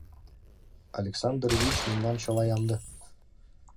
— Александр Ильич, мемнан чыла ямде!